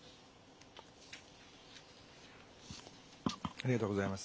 ありがとうございます。